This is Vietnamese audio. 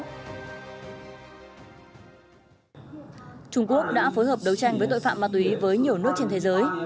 trung quốc đã phối hợp đấu tranh với tội phạm ma túy với nhiều nước trên thế giới